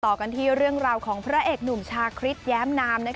ต่อกันที่เรื่องราวของพระเอกหนุ่มชาคริสแย้มนาม